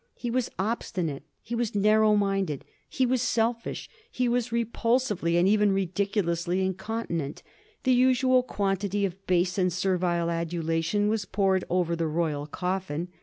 He was obstinate, he was narrow minded, he was selfish, he was repulsively and even ridiculously incontinent. The usual quantity of base and servile adulation was poured over the Royal coffin.